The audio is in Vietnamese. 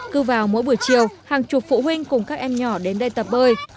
cứ vào mỗi buổi chiều hàng chục phụ huynh cùng các em nhỏ đến đây tập bơi